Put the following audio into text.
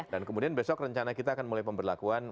dan kemudian besok rencana kita akan mulai pemberlakuan